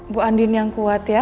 bu andin yang kuat ya